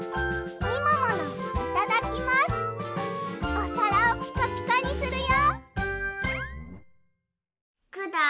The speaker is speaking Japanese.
おさらをピカピカにするよ！